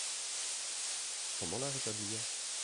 Comment la rétablir?